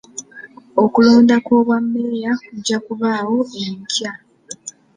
Okulonda kw'obwameeya kujja kubaawo enkya.